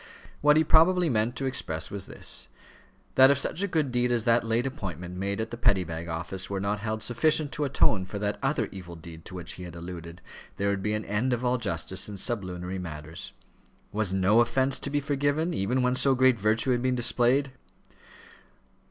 What he probably meant to express was this: that if such a good deed as that late appointment made at the Petty Bag Office were not held sufficient to atone for that other evil deed to which he had alluded, there would be an end of all justice in sublunary matters. Was no offence to be forgiven, even when so great virtue had been displayed?